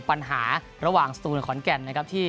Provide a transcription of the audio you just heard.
ปัญหาระหว่างสตูนกับขอนแก่นนะครับที่